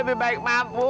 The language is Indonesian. emang gua belum ngajak lo